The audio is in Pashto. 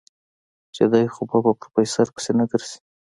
چې دی خو به په پروفيسر پسې نه ګرځي.